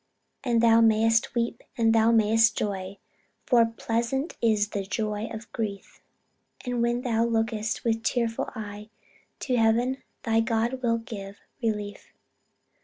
And thou may'st weep and thou may'st joy, For 'pleasant is the joy of grief;' And when thou look'st with tearful eye To heaven, thy God will give relief.